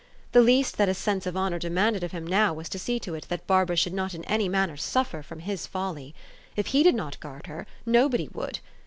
The least that a sense of honor demanded of him now was to see to it that Barbara should not in any manner suffer from his folly. If he did not guard her, nobody would.